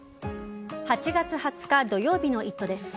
８月２０日土曜日の「イット！」です。